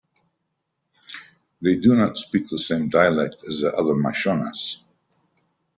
"They do not speak the same dialect as the other Mashonas".